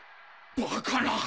バカな！？